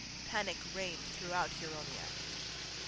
Panic reigned throughout Huronia.